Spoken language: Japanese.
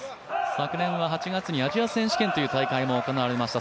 昨年は８月にアジア選手権という戦いも行われました。